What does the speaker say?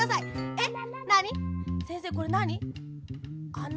えっ？